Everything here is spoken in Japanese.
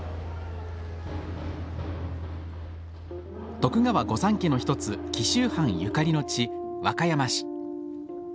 徳川御三家の１つ紀州藩ゆかりの地、和歌山市。